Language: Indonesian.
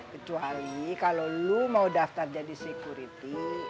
kecuali kalo lu mau daftar jadi security